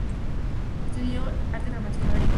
Estudió Arte Dramático en Madrid.